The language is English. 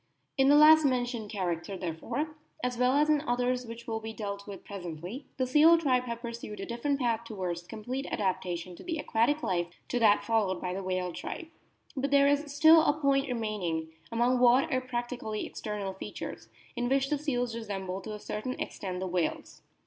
In the last mentioned character, therefore, as well as in others which will be dealt with presently, the seal tribe have pursued a different path towards the complete adaptation to the aquatic life to that followed by the whale tribe. But there is still a point remain ing, among what are practically external features, in which the seals resemble to a certain extent the whales.